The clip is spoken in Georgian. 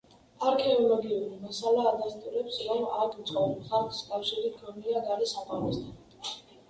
არქეოლოგიური მასალა ადასტურებს, რომ აქ მცხოვრებ ხალხს კავშირი ჰქონია გარე სამყაროსთან.